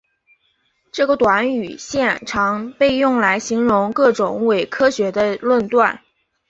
这个短语现常被用来形容各种伪科学的论断。